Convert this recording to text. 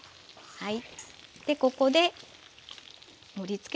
はい。